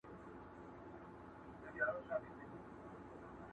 له دې سببه تاریکه ستایمه،